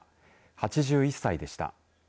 ８１歳でした。